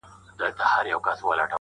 • د څرمنو له بد بویه یې زړه داغ وو -